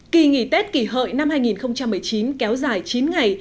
kỳ nghỉ tết kỷ hợi năm hai nghìn một mươi chín kéo dài chín ngày